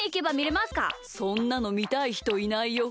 そんなのみたいひといないよ。